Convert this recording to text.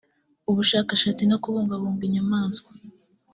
ubushakashatsi no kubungabunga inyamaswa